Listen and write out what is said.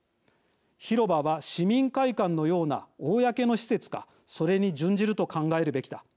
広場は市民会館のような公の施設か、それに準じると考えるべきだ。